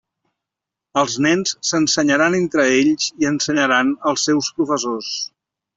Els nens s'ensenyaran entre ells i ensenyaran als seus professors.